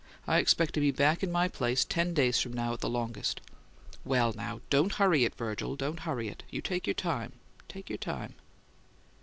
"I expect to be back in my place ten days from now at the longest." "Well, now, don't hurry it, Virgil; don't hurry it. You take your time; take your time."